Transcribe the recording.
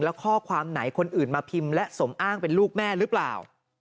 แล้วข้อความไหนคนอื่นมาพิมพ์และสมอ้างเป็นลูกแม่หรือเปล่า